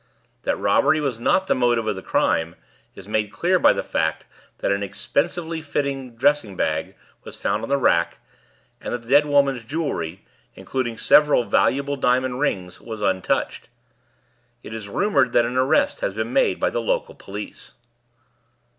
That robbery was not the motive of the crime is made clear by the fact that an expensively fitted dressing bag was found on the rack, and that the dead woman's jewellery, including several valuable diamond rings, was untouched. It is rumoured that an arrest has been made by the local police."